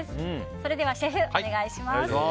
それではシェフ、お願いします。